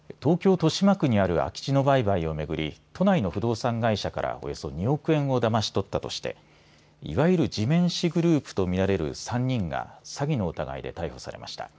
豊島区にある空き地の売買を巡り都内の不動産会社からおよそ２億円をだまし取ったとしていわゆる地面師グループと見られる３人が詐欺の疑いで逮捕されました。